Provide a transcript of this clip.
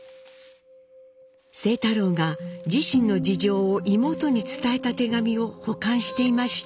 清太郎が自身の事情を妹に伝えた手紙を保管していました。